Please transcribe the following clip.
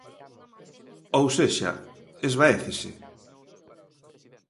Ou sexa, esvaécese.